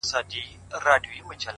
اراده داخلي ضعف ماتوي